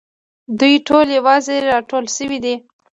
دوی ټول یو ځای راټول شوي دي.